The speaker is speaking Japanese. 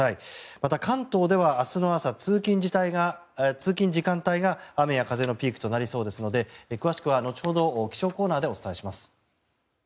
また、関東では明日の朝通勤時間帯が雨や風のピークとなりそうですので詳しくは後ほど気象コーナーでお伝えします。